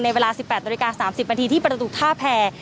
ในเวลา๑๘น๓๐นที่ประตูฆ่าแพร่